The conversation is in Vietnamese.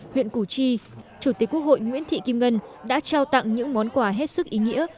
huyện củ chi chủ tịch quốc hội nguyễn thị kim ngân đã trao tặng những món quà hết sức ý nghĩa